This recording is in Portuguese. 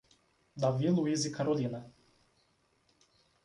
Davi Luiz e Carolina